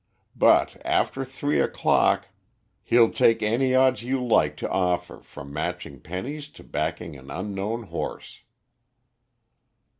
But after three o'clock he'll take any odds you like to offer, from matching pennies to backing an unknown horse."